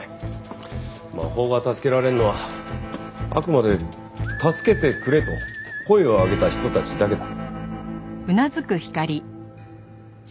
法が助けられるのはあくまで「助けてくれ」と声を上げた人たちだけだ。